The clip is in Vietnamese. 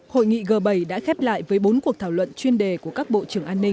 hội nghị g bảy đã khép lại với bốn cuộc thảo luận chuyên đề của các bộ trưởng